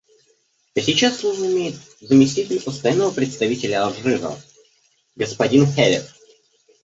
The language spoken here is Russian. А сейчас слово имеет заместитель Постоянного представителя Алжира господин Хелиф.